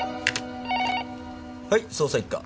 はい捜査一課。